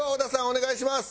お願いします。